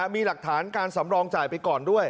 มีหลักฐานการสำรองจ่ายไปก่อนด้วย